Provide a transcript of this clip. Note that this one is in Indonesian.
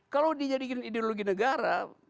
kalau dijadikan ideologi negara